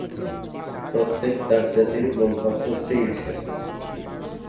প্রত্যেক দাসজাতির মূল পাপ হচ্ছে ঈর্ষা।